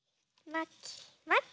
まきまき。